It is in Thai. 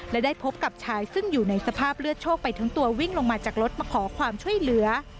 และได้พบกับชายซึ่งอยู่ในสภาพเลือดโชคไปทั้งตัววิ่งลงมาจากรถมาขอความช่วยเหลือ